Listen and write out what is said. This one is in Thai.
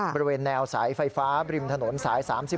บริเวณแนวสายไฟฟ้าบริมถนนสาย๓๔